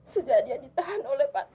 sejak dia ditahan oleh pak